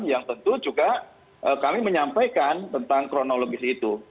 yang tentu juga kami menyampaikan tentang kronologis itu